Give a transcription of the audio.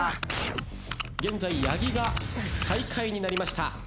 現在八木が最下位になりました。